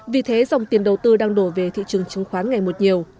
vì thế dòng tiền đầu tư đang đổ về thị trường chứng khoán ngày một nhiều